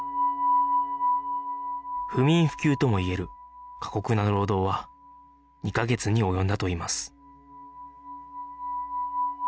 不眠不休ともいえる過酷な労働は２カ月に及んだといいます